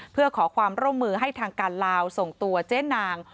เพื่อขอความร่วมมือให้ทางการลาวส่งตัวเจ๊นาง